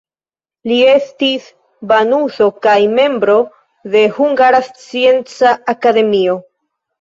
Li estis banuso kaj membro de Hungara Scienca Akademio.